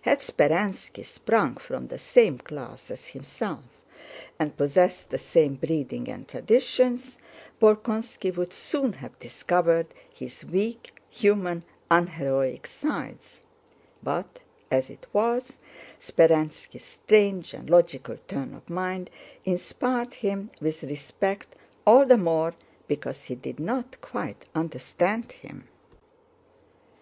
Had Speránski sprung from the same class as himself and possessed the same breeding and traditions, Bolkónski would soon have discovered his weak, human, unheroic sides; but as it was, Speránski's strange and logical turn of mind inspired him with respect all the more because he did not quite understand him.